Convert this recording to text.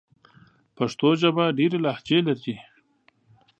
پښتو ژبه ډېري لهجې لري.